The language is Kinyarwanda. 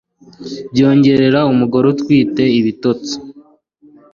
byongerera umugore utwite ibitotsi